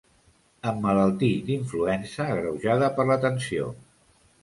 Emmalaltí d'influença, agreujada per la tensió.